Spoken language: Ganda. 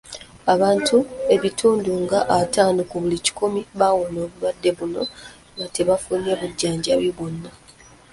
Abantu ebitundu nga ataano ku buli kikumi bawona obulwadde buno nga tebafunye bujjanjabi bwonna.